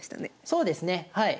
そうですねはい。